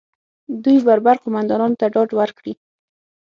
دوی بربر قومندانانو ته ډاډ ورکړي